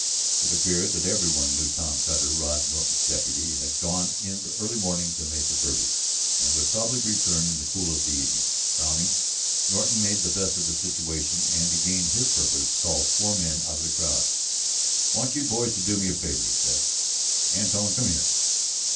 It appeared that every one knew. Tom Cutter, Rod Norton's deputy, had gone in the early morning to Mesa Verde, and would probably return in the cool of the evening. Frowning, Norton made the best of the situation, and to gain his purpose called four men out of the crowd. "I want you boys to do me a favor," he said. "Antone, come here."